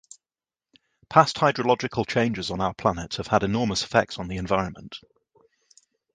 Past hydrological changes on our planet have had enormous effects on the environment.